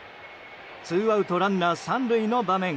ツーアウトランナー３塁の場面。